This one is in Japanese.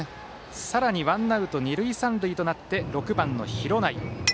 さらにワンアウト二塁三塁となって６番、廣内。